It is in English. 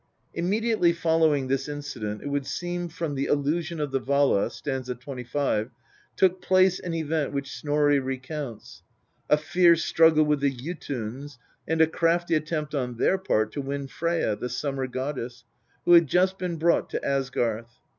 * Immediately following this incident, it would seem from the allu sion of the Vala (st. 25), took place an event which Snorri recounts a fierce struggle with the Jotuns, and a crafty attempt on their part to win Freyja, the summer goddess, who had just been brought to Asgarth.